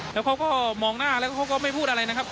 แล้วเขาก็มองหน้าแล้วเขาก็ไม่พูดอะไรนะครับ